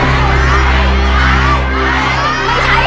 ไม่ใช้ไม่ใช้